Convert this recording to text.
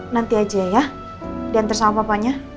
nanti aja ya dental sama papanya